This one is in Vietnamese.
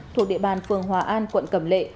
thuộc địa bàn phường hòa an quận cầm lệ